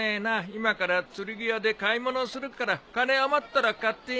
今から釣具屋で買い物するから金余ったら買ってやるよ。